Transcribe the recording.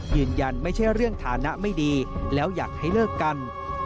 ยืนยันไม่ใช่เรื่องฐานะไม่ดีแล้วอยากให้เลิกกัน